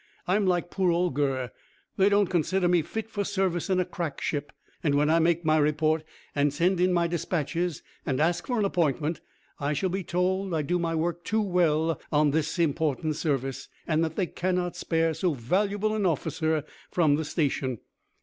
"I'm like poor old Gurr; they don't consider me fit for service in a crack ship; and when I make my report, and send in my despatches, and ask for an appointment, I shall be told I do my work too well on this important service, and that they cannot spare so valuable an officer from the station.